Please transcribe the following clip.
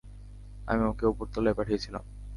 আমি ওকে ওপরতলায় পাঠিয়েছিলাম।